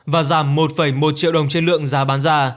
và giảm một một triệu đồng trên lượng giá bán ra